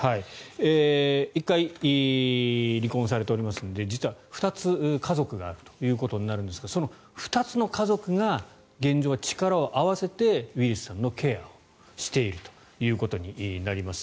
１回、離婚されておりますので実は２つ家族があるということになるんですがその２つの家族が現状は力を合わせてウィリスさんのケアをしているということになります。